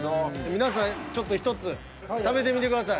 皆さんちょっと１つ食べてみてください。